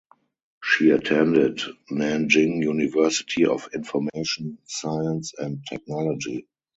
She attended Nanjing University of Information Science and Technology.